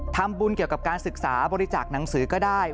ทำบุญเกี่ยวกับการศึกษาบริจาคหนังสือก็ได้